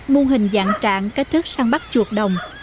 mô hình dạng trạng cách thức săn bắt chuột đồng